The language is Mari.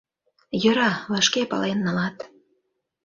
Йӧра, вашке пален налат!